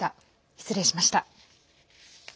失礼しました。